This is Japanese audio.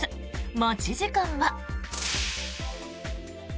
待ち時間は。